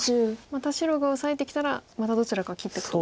また白がオサえてきたらまたどちらか切っていくと。